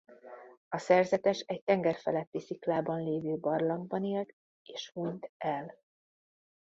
A szerzetes egy tenger feletti sziklában lévő barlangban élt és huny t el.